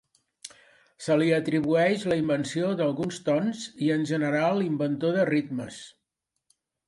Se li atribueix la invenció d'alguns tons i en general inventor de ritmes.